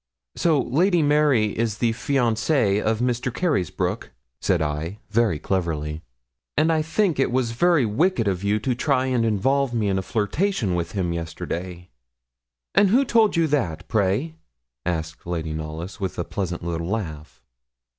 'So Lady Mary is the fiancée of Mr. Carysbroke,' said I, very cleverly; 'and I think it was very wicked of you to try and involve me in a flirtation with him yesterday.' 'And who told you that, pray?' asked Lady Knollys, with a pleasant little laugh.